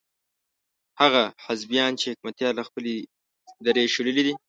هغه حزبيان چې حکمتیار له خپلې درې شړلي دي.